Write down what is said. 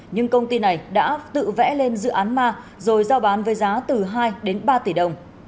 nhưng công ty này đã tự vẽ lên dự án ma rồi giao bán với giá từ hai đến ba tỷ đồng